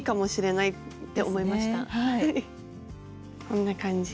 こんな感じ。